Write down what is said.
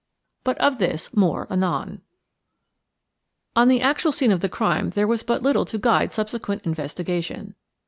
But of this more anon. On the actual scene of the crime there was but little to guide subsequent investigation.